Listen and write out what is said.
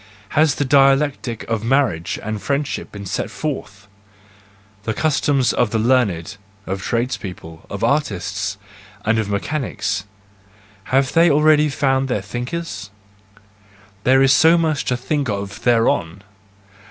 Has the dialectic of marriage and friendship been set forth? The customs of the learned, of trades people, of artists, and of mechanics—have they already found their thinkers ? There is so much to think of thereon!